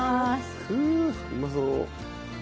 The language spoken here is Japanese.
クうまそう。